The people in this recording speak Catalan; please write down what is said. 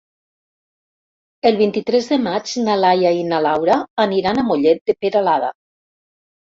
El vint-i-tres de maig na Laia i na Laura aniran a Mollet de Peralada.